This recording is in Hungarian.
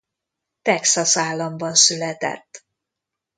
Texas államban született.